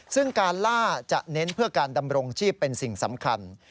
ซึ่งการล่าจะเน้นเพื่อการดำรงชีพเป็นสิ่งสำคัญ